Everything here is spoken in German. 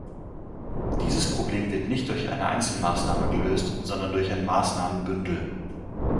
Dieses Problem wird nicht durch eine Einzelmaßnahme gelöst, sondern durch ein Maßnahmenbündel.